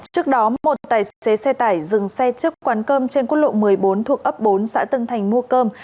trước đó một tài xế xe tải dừng xe trước quán cơm trên quốc lộ một mươi bốn thuộc ấp bốn xã tân thành mua cơm